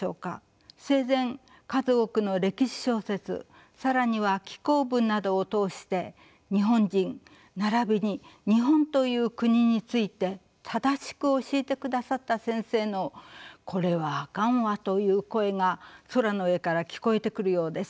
生前数多くの歴史小説更には紀行文などを通して日本人ならびに日本という国について正しく教えてくださった先生の「これはあかんわ」という声が空の上から聞こえてくるようです。